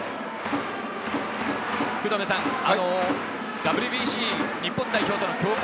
ＷＢＣ日本代表との強化